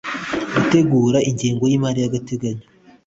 gutegura ingengo y imari y agateganyo